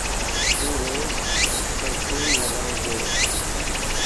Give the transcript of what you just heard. هون روز پرفيوم لگائون تو.